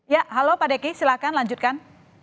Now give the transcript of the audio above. ya halo pak deki silahkan lanjutkan